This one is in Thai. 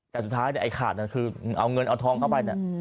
แต่สุดท้ายถ้าเคยขาดคือเอาเงินเอาทองเข้าไป